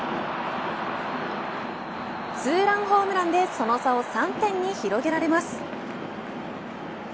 ツーランホームランでその差を３点に広げられます。